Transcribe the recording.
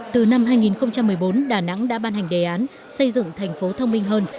từ năm hai nghìn một mươi bốn đà nẵng đã ban hành đề án xây dựng thành phố thông minh hơn